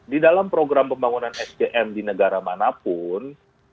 di dalam program pembangunan sdm di negara manapun